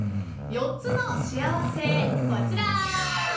４つの幸せ、こちら。